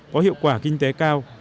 có hiệu quả kinh tế cao